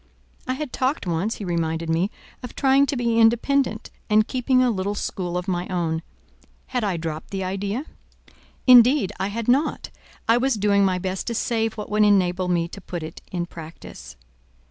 I had talked once, he reminded me, of trying to be independent and keeping a little school of my own: had I dropped the idea? "Indeed, I had not: I was doing my best to save what would enable me to put it in practice."